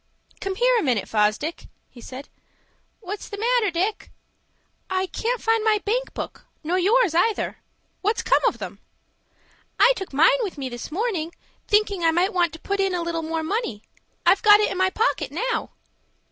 _ "Come here a minute, Fosdick," he said. "What's the matter, Dick?" "I can't find my bank book, nor yours either. What's 'come of them?" "I took mine with me this morning, thinking I might want to put in a little more money. I've got it in my pocket, now."